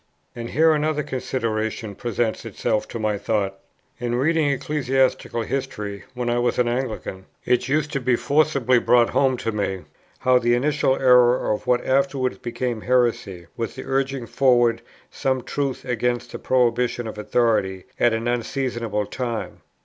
And here another consideration presents itself to my thoughts. In reading ecclesiastical history, when I was an Anglican, it used to be forcibly brought home to me, how the initial error of what afterwards became heresy was the urging forward some truth against the prohibition of authority at an unseasonable time.